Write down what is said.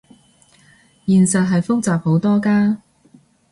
現實係複雜好多㗎